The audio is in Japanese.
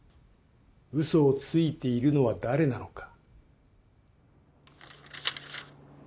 嘘をついているのは誰なのか。